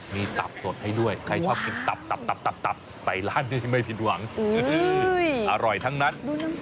มีตับสดให้ด้วยใครชอบกินตับตับไปร้านนี้ไม่ผิดหวังอร่อยทั้งนั้น